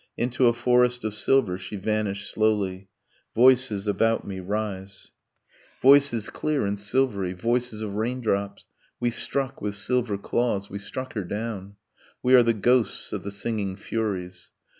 Into a forest of silver she vanished slowly ... Voices about me rise ... Voices clear and silvery, voices of raindrops, 'We struck with silver claws, we struck her down. We are the ghosts of the singing furies